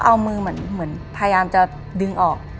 เอามือเหมือนพยายามจะดึงออก